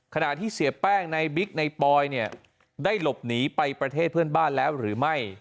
ขณะที่เสียแป้งในบิ๊กในปอยเนี่ยได้หลบหนีไปประเทศเพื่อนบ้านแล้วหรือไม่